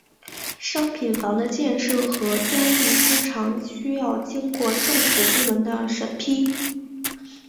商品房的建设和交易通常需要经过政府部门的审批。